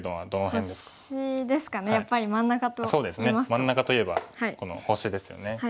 真ん中といえばこの星ですよね。